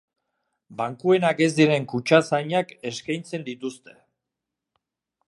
Bankuenak ez diren kutxazainak eskeintzen dituzte.